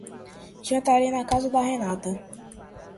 Jantarei na casa da Renata.